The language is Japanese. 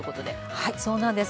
はいそうなんです。